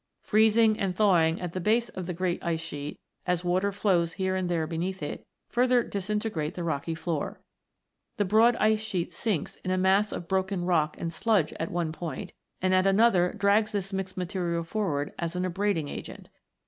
Freezing and thawing at the base of the great ice sheet, as water flows here and there beneath it, further disintegrate the rocky floor. The broad ice sheet sinks in a mass of broken rock and sludge at one point, and at another drags this mixed material forward as an abrading agent.